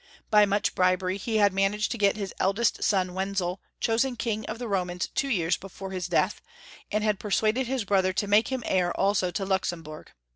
By much brib ery he had managed to get his eldest son, Wenzel, chosen King of the Romans two years before his death, and he had persuaded his brother to make him heir also to Luxemburg.